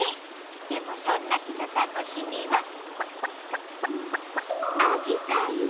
でもそんな日の楽しみはアジサイよ！